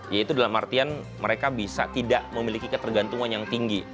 yaitu dalam artian mereka bisa tidak memiliki ketergantungan yang tinggi